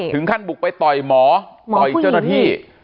ถึงขั้นบุกไปต่อยหมอต่อยเจ้าหน้าที่